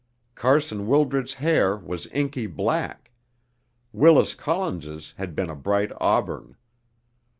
Carson Wildred's hair was inky black; Willis Collins's had been a bright auburn.